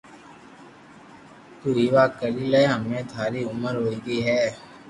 تو ويوا ڪري لي ھمي ٿاري عمر ھوئئي گئي